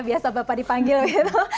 biasa bapak dipanggil gitu